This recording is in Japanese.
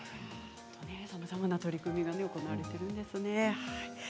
さまざまな取り組みが行われているんですね。